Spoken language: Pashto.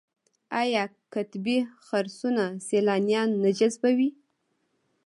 آیا قطبي خرسونه سیلانیان نه جذبوي؟